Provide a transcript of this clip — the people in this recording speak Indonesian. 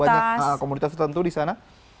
apakah cukup banyak komunitas tertentu di sana